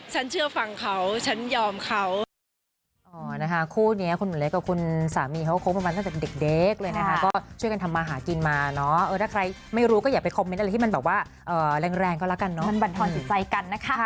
เชื่อฟังเขาฉันยอมเขา